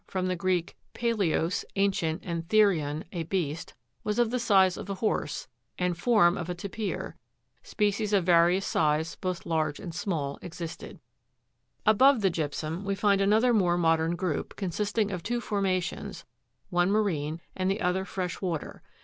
157 from the Greek, palaios, ancient, and therion, a beast), was of the size of a horse, and form of a tapir ; species of various size, both large and small, existed. Fig. 157. Skeleton of the Paleothe'rium magnum. 14. Above the gypsum we find another more modern group, consisting of two formations, one marine and the other fresh water.